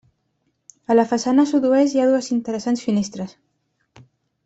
A la façana sud-oest hi ha dues interessants finestres.